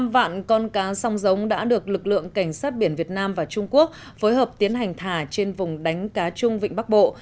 năm vạn con cá song giống đã được lực lượng cảnh sát biển việt nam và trung quốc phối hợp tiến hành thả trên vùng đánh cá chung vịnh bắc bộ